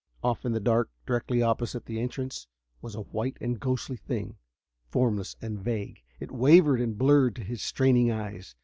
Off in the dark, directly opposite the entrance, was a white and ghostly thing. Formless and vague, it wavered and blurred to his straining eyes.